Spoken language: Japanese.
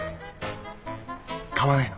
買わないの？